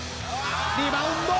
リバウンド。